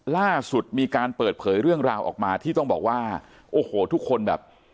ล่าสุดมีการเปิดเผยเรื่องราวออกมาที่ต้องบอกว่าโอ้โหทุกคนแบบ